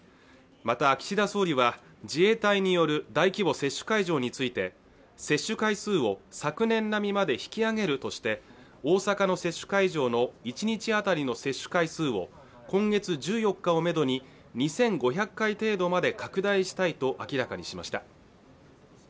また岸田総理は自衛隊による大規模接種会場について接種回数を昨年並みまで引き上げるとして大阪の接種会場の１日あたりの接種回数を今月１４日をメドに２５００回程度まで拡大したいと明らかにしました